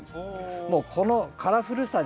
もうこのカラフルさでですね